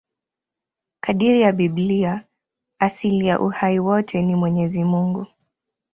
Kadiri ya Biblia, asili ya uhai wote ni Mwenyezi Mungu.